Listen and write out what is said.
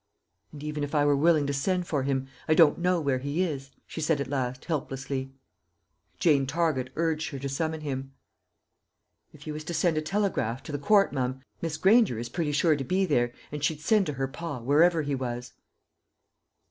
"And even if I were willing to send for him, I don't know where he is," she said at last helplessly. Jane Target urged her to summon him. "If you was to send a telegraft to the Court, mum, Miss Granger is pretty sure to be there, and she'd send to her pa, wherever he was."